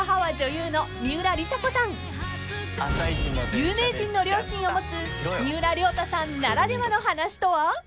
［有名人の両親を持つ三浦太さんならではの話とは？］